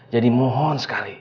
jadi mohon sekali